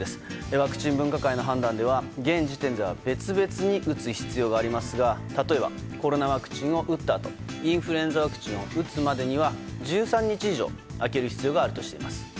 ワクチン分科会の判断では現時点では別々に打つ必要がありますが例えばコロナワクチンを打ったあとインフルエンザワクチンを打つまでには１３日以上空ける必要があるとしています。